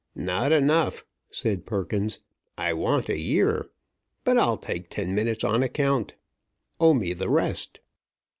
"Not enough," said Perkins. "I want a year. But I'll take ten minutes on account. Owe me the rest!"